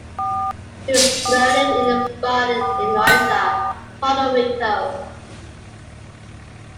He was murdered in a bar in Loiza, Puerto Rico.